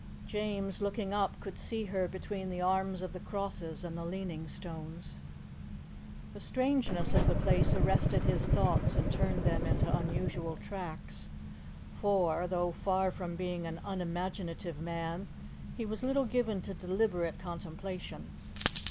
James, looking up, could see her between the arms of the crosses and the leaning stones. The strangeness of the place arrested his thoughts and turned them into unusual tracks, for, though far from being an unimaginative man, he was little given to deliberate contemplation.